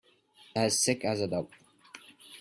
As sick as a dog.